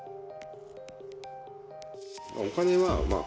お金はまあ、